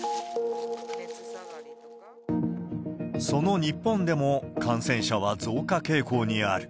その日本でも、感染者は増加傾向にある。